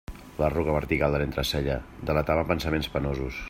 L'arruga vertical de l'entrecella delatava pensaments penosos.